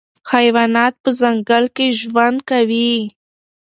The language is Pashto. حیوانات په ځنګل کې ژوند کوي.